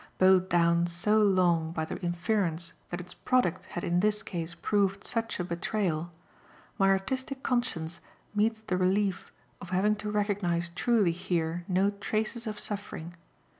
Bowed down so long by the inference that its product had in this case proved such a betrayal, my artistic conscience meets the relief of having to recognise truly here no traces of suffering.